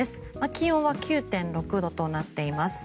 気温は９．６度となっています。